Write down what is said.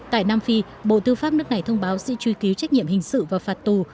tại nam phi bộ tư pháp nước này thông báo sẽ truy cứu trách nhiệm hình sự và phạt tù